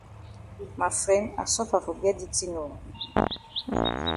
Ma fren I suffer for get di tin oo.